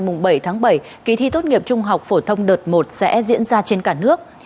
mùng bảy tháng bảy kỳ thi tốt nghiệp trung học phổ thông đợt một sẽ diễn ra trên cả nước